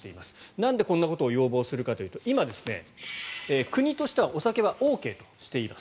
なんでこんなことを要望するかというと今、国としてはお酒はＯＫとしています。